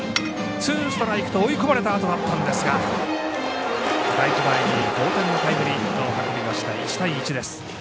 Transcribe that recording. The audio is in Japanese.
ツーストライクと追い込まれたあとだったんですがライト前に同点タイムリーヒットを運びました１対１です。